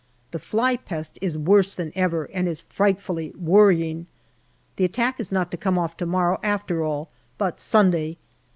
The fly pest is worse than ever, and is frightfully worrying. The attack is not to come off to morrow, after all, but Sunday.